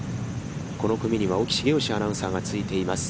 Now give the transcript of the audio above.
この組には沖繁義アナがついています。